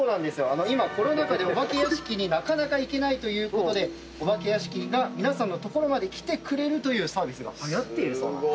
今コロナ禍でお化け屋敷になかなか行けないということでお化け屋敷が皆さんの所まで来てくれるというサービスがはやっているそうなんです。